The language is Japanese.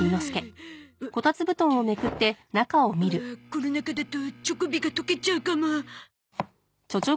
ああこの中だとチョコビが溶けちゃうかも。